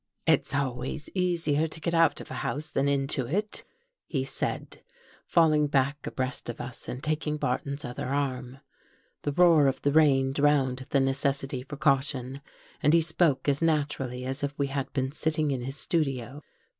:" It's always easier to get out of a house than ; into it," he said, falling back abreast of us and tak ing Barton's other arm. i The roar of the rain drowned the necessity for :i caution, and he spoke as naturally as if we had been i sitting in his studio.